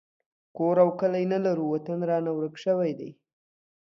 کور او کلی نه لرو وطن رانه ورک شوی دی